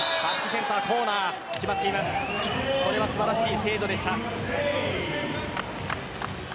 これは素晴らしい精度でした。